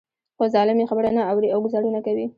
خو ظالم يې خبره نه اوري او ګوزارونه کوي.